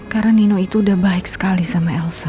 karena nino itu udah baik sekali sama elsa